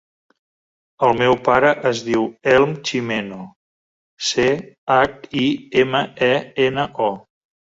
El meu pare es diu Elm Chimeno: ce, hac, i, ema, e, ena, o.